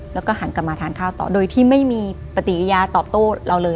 แล้วก็หันกลับมาทานข้าวต่อโดยที่ไม่มีปฏิกิริยาตอบโต้เราเลย